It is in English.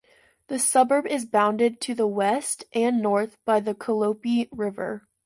The suburb is bounded to the west and north by the Calliope River.